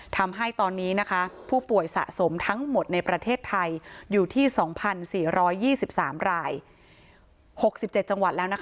ทำให้ตอนนี้ผู้ป่วยสะสมทั้งหมดในประเทศไทยอยู่ที่๒๔๒๓ราย๖๗จังหวัดแล้ว